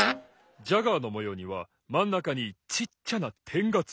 ジャガーのもようにはまんなかにちっちゃなてんがついてるんです！